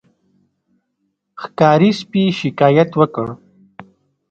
ښکاري سپي شکایت وکړ.